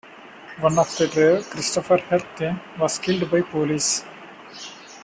One of the trio, Christopher "Herc" Thien, was killed by police.